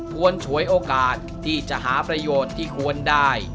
ฉวยโอกาสที่จะหาประโยชน์ที่ควรได้